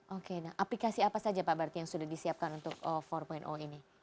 oke nah aplikasi apa saja pak berarti yang sudah disiapkan untuk empat ini